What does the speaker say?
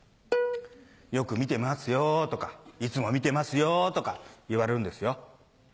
「よく見てますよ」とか「いつも見てますよ」とか言われるんですよ。